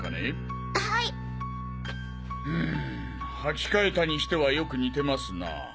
うむはき替えたにしてはよく似てますなぁ。